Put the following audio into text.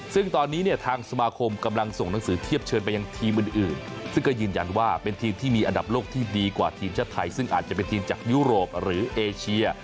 ซึ่งตอนนี้เนี่ยทางสมาคมกำลังส่งหนังสือเทียบเชิญไปยังทีมอื่นซึ่งก็ยืนยันว่าเป็นทีมที่มีอันดับโลกที่ดีกว่าทีมชาติไทยซึ่งอาจจะเป็นทีมจากยุโรปหรือเอเชีย